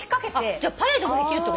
じゃあパレードもできるってこと！？